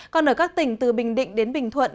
còn ở các tỉnh từ bình định đến bình thuận